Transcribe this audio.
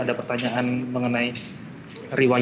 ada pertanyaan mengenai rewinding